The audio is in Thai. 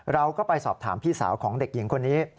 เราก็ไปสอบถามพี่สาวของเด็กหญิงคนนี้